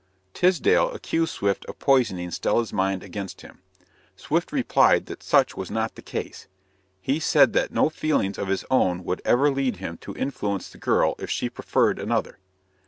Tisdall accused Swift of poisoning Stella's mind against him. Swift replied that such was not the case. He said that no feelings of his own would ever lead him to influence the girl if she preferred another.